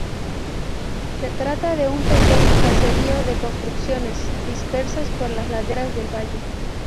Se trata de un pequeño caserío de construcciones dispersas por las laderas del valle.